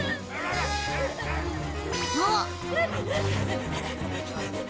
あっ！